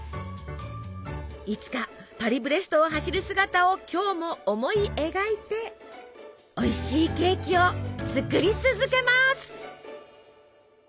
いつかパリブレストを走る姿を今日も思い描いておいしいケーキを作り続けます！